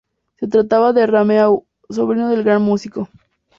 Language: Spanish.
Se trataba de Rameau, sobrino del gran músico.